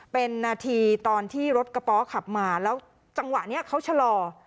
เป็นนาทีตอนที่รถกระป๋อขับมาแล้วจังหวะนี้เขาชะลอ